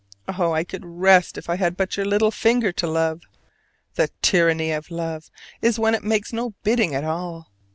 Oh, I could rest if I had but your little finger to love. The tyranny of love is when it makes no bidding at all.